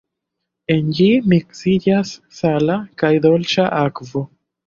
En ĝi miksiĝas sala kaj dolĉa akvo.